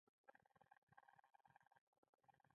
د توت پاڼې د ستوني لپاره وکاروئ